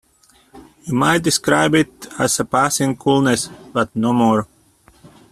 You might describe it as a passing coolness, but no more.